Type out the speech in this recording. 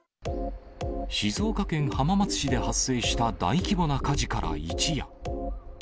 静岡県浜松市で発生した大規模な火事から一夜。